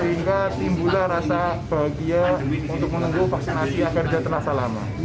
sehingga timbulah rasa bahagia untuk menunggu vaksinasi agar tidak terasa lama